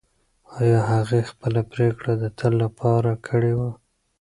ایا هغې خپله پرېکړه د تل لپاره کړې وه؟